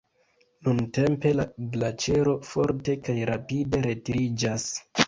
Nuntempe la glaĉero forte kaj rapide retiriĝas.